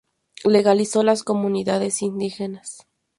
Legalizó las comunidades indígenas.